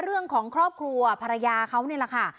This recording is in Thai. เรื่องของครอบครัวภรรยาเขานี่แหละค่ะ